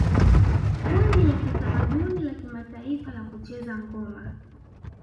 Kundi la kitamaduni la kimataifa la kucheza ngoma